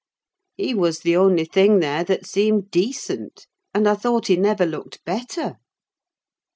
He was the only thing there that seemed decent; and I thought he never looked better.